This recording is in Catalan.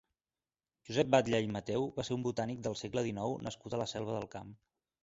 Josep Batlle i Mateu va ser un botànic del segle dinou nascut a la Selva del Camp.